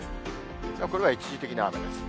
これは一時的な雨です。